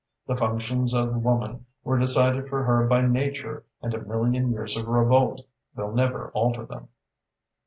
The functions of woman were decided for her by nature and a million years of revolt will never alter them."